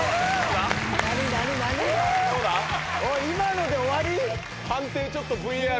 今ので終わり⁉